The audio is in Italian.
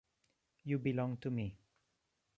You Belong to Me